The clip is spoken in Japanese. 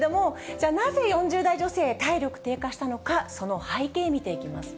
じゃあ、なぜ、４０代女性、体力低下したのか、その背景、見ていきます。